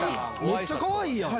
めっちゃかわいいやん！